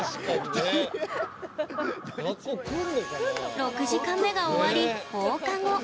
６時間目が終わり、放課後。